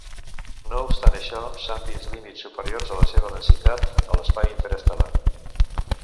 No obstant això s'han vist límits superiors a la seva densitat a l'espai interestel·lar.